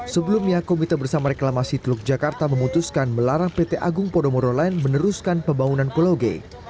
sebelumnya komite bersama reklamasi teluk jakarta memutuskan melarang pt agung podomoro lain meneruskan pembangunan pulau g